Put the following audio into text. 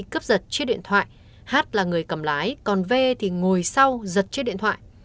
cấp giật chiếc điện thoại h là người cầm lái còn v thì ngồi sau giật chiếc điện thoại